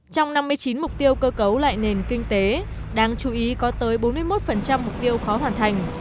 trong năm mươi chín mục tiêu cơ cấu lại nền kinh tế đáng chú ý có tới bốn mươi một mục tiêu khó hoàn thành